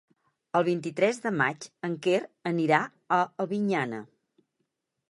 El vint-i-tres de maig en Quer anirà a Albinyana.